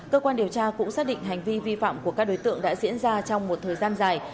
cơ quan điều tra cũng xác định hành vi vi phạm của các đối tượng đã diễn ra trong một thời gian dài